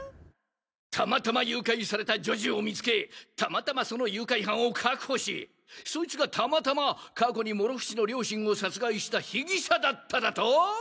たまたま誘拐された女児を見つけたまたまその誘拐犯を確保しそいつがたまたま過去に諸伏の両親を殺害した被疑者だっただとぉ！？